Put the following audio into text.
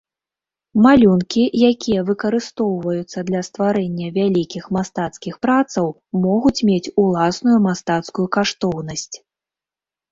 Малюнкі, якія выкарыстоўваюцца для стварэння вялікіх мастацкіх працаў, могуць мець уласную мастацкую каштоўнасць.